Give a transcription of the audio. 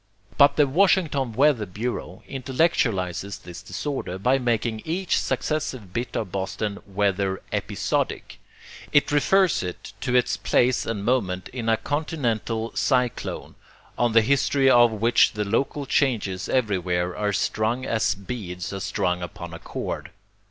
But the Washington weather bureau intellectualizes this disorder by making each successive bit of Boston weather EPISODIC. It refers it to its place and moment in a continental cyclone, on the history of which the local changes everywhere are strung as beads are strung upon a cord.